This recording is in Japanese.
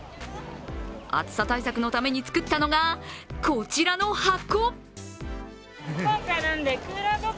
暑さ対策のためにつくったのがこちらの箱。